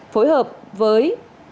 phối hợp với